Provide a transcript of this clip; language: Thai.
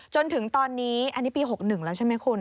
จนถึงตอนนี้อันนี้ปี๖๑แล้วใช่ไหมคุณ